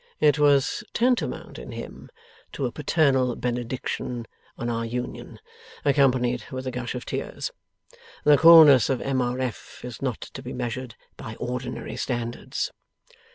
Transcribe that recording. it was tantamount in him to a paternal benediction on our union, accompanied with a gush of tears. The coolness of M. R. F. is not to be measured by ordinary standards.